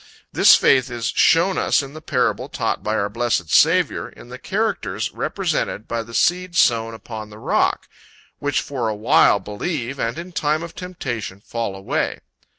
This faith is shown us in the parable taught by our blessed Saviour, in the characters represented by the seed sown upon the rock, "which for a while believe, and in time of temptation fall away."